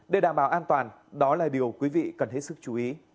để đảm bảo an toàn đó là điều quý vị cần hết sức chú ý